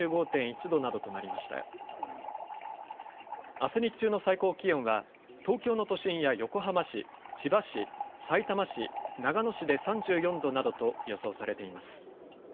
あす日中の最高気温は東京の都心や横浜市、千葉市、さいたま市、長野市で３４度などと予想されています。